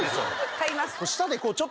買います。